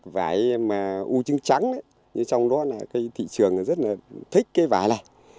vải mà u trứng trắng trong đó là cái thị trường rất là thích cái vải này